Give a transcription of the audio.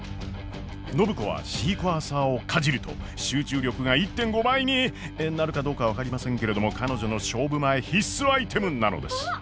暢子はシークワーサーをかじると集中力が１．５倍になるかどうかは分かりませんけれども彼女の勝負前必須アイテムなのです。